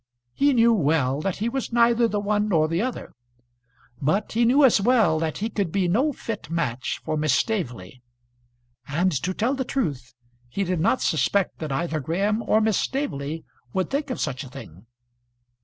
He knew well that he was neither the one nor the other; but he knew as well that he could be no fit match for Miss Staveley, and, to tell the truth, he did not suspect that either Graham or Miss Staveley would think of such a thing.